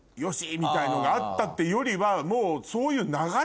みたいのがあったっていうよりはもう。